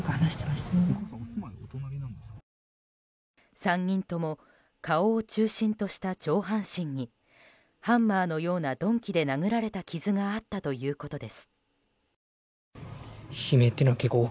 ３人とも顔を中心とした上半身にハンマーのような鈍器で殴られた傷があったということです。